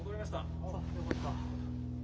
あっよかった！